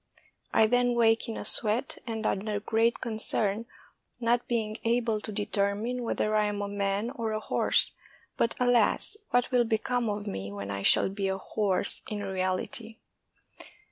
I then wake in a sweat and under great concern, not being able to determine whether I am a man or a horse; but, alas, what will become of me when I shall be a horse in reality?